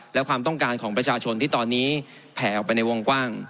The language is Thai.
และความต้องการของประชาชนที่ตอนนี้แผ่ออกไปในวงกว้าง